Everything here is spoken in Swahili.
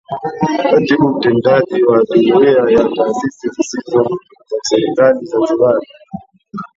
Katibu Mtendaji wa Jumuiya ya Taasisi zisizo za Kiserikali Zanzibar